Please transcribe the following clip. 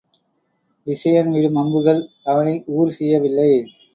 விசயன் விடும் அம்புகள் அவனை ஊறு செய்யவில்லை.